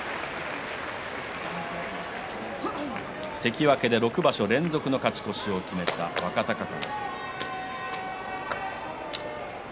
関脇で６場所連続の勝ち越しを決めた若隆景。